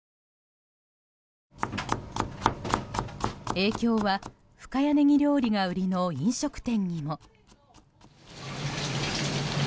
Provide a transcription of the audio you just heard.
影響は、深谷ねぎ料理が売りの飲食店にも。